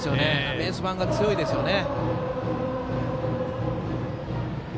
ベース板が強いですよね。